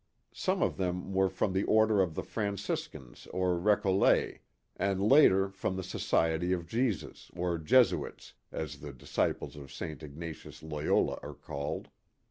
Some of them were from the order of the Franciscans or Recolects, and, later, from the Society of Jesus, or Jesuits, as the disciples of St. Ignatius Loyola are called.